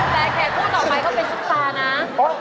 แพทย์คู่ต่อไปเขาเป็นชุดปลานะ